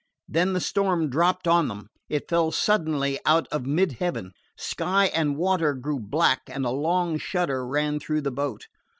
Then the storm dropped on them. It fell suddenly out of mid heaven. Sky and water grew black and a long shudder ran through the boat.